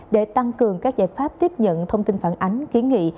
để tăng cường các giải pháp tiếp nhận thông tin phản ánh kiến nghị